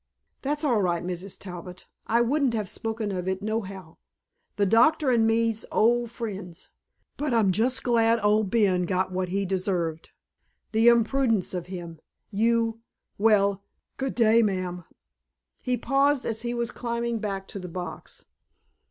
"That's all right, Mrs. Talbot. I wouldn't have spoke of it nohow. The Doctor and me's old friends. But I'm just glad old Ben got what he deserved. The impudence of him! You well! Good day, ma'am." He paused as he was climbing back to the box.